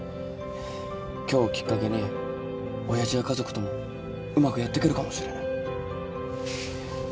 今日をきっかけに親父や家族ともうまくやってけるかもしれない。